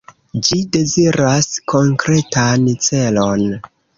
Ĝi deziras konkretan celon.